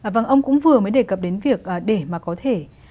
vâng ông cũng vừa mới đề cập đến việc để mà có thể